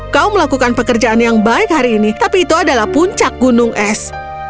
kau melakukan pekerjaan yang baik hari ini tapi itu adalah puncak gunung es